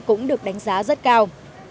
cũng được đánh giá rất cao